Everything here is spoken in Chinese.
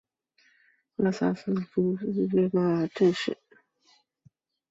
萨布埃鲁是巴西塞阿拉州的一个市镇。